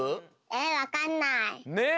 えっわかんない！ね！